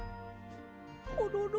コロロ。